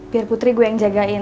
biar putri gue yang jagain